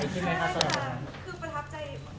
คือประทับใจใช่ไหมคะสำหรับพี่กรณ์ก็ค่ะ